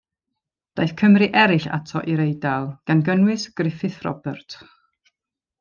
Daeth Cymry eraill ato i'r Eidal, gan gynnwys Gruffydd Robert.